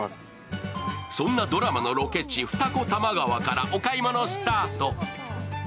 そんなドラマのロケ地・二子玉川からお買い物スタート。